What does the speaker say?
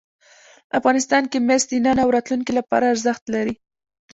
افغانستان کې مس د نن او راتلونکي لپاره ارزښت لري.